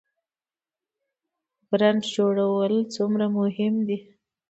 د برنډ جوړول څومره مهم دي؟